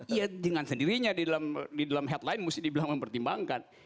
iya dengan sendirinya di dalam headline mesti dibilang mempertimbangkan